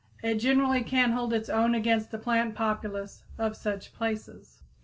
It generally can hold its own against the plant populace of such places.